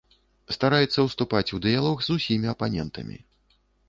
Стараецца ўступаць у дыялог з усімі апанентамі.